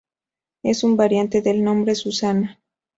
Es un variante del nombre Susana.